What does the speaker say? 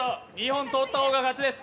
２本取った方が勝ちです。